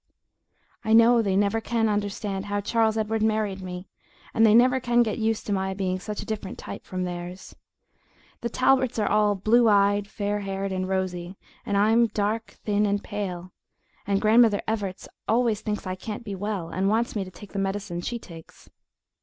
I know they never can understand how Charles Edward married me, and they never can get used to my being such a different type from theirs. The Talberts are all blue eyed, fair haired, and rosy, and I'm dark, thin, and pale, and Grandmother Evarts always thinks I can't be well, and wants me to take the medicine she takes.